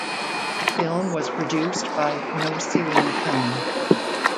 The film was produced by No Ceiling Film.